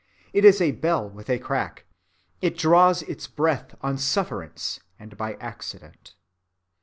It is a bell with a crack; it draws its breath on sufferance and by an accident.